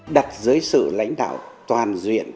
đặt dưới sự lãnh đạo toàn duyện